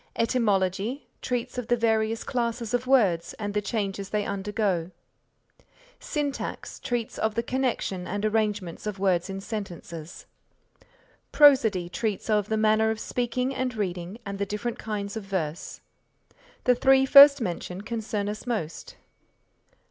Etymology treats of the various classes of words and the changes they undergo. Syntax treats of the connection and arrangement of words in sentences. Prosody treats of the manner of speaking and reading and the different kinds of verse. The three first mentioned concern us most.